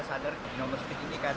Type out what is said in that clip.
mencari pimpinan muda potensial